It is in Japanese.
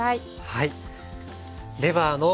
はい。